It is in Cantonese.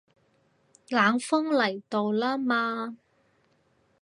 冷鋒嚟到啦嘛